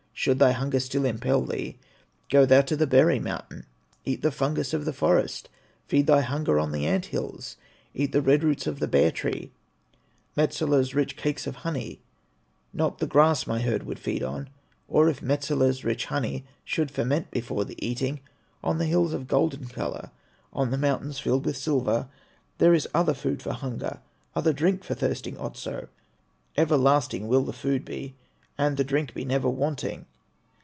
Should thy hunger still impel thee, Go thou to the berry mountain, Eat the fungus of the forest, Feed thy hunger on the ant hills, Eat the red roots of the bear tree, Metsola's rich cakes of honey, Not the grass my herd would feed on. Or if Metsola's rich honey Should ferment before the eating, On the hills of golden color, On the mountains filled with silver, There is other food for hunger, Other drink for thirsting Otso, Everlasting will the food be, And the drink be never wanting.